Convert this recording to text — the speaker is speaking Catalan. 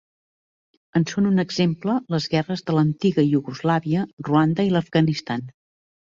En són un exemple les guerres de l'antiga Iugoslàvia, Ruanda i l'Afganistan.